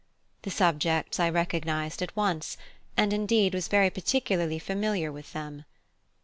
The subjects I recognised at once, and indeed was very particularly familiar with them.